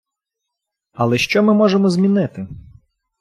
Але що ми можемо змінити?